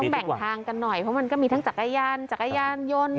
แบ่งทางกันหน่อยเพราะมันก็มีทั้งจักรยานจักรยานยนต์